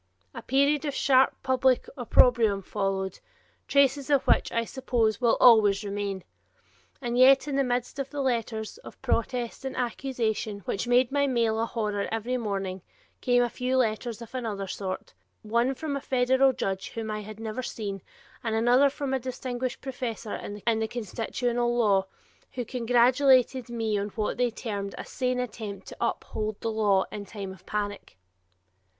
A period of sharp public opprobrium followed, traces of which, I suppose, will always remain. And yet in the midst of the letters of protest and accusation which made my mail a horror every morning came a few letters of another sort, one from a federal judge whom I had never seen and another from a distinguished professor in the constitutional law, who congratulated me on what they termed a sane attempt to uphold the law in time of panic.